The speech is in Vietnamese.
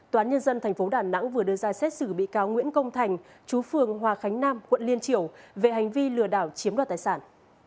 toán nhân dân tp đà nẵng vừa đưa ra xét xử bị cáo nguyễn công thành chú phương hòa khánh nam quận liên triều về hành vi lừa đảo chiếm đoạt tài sản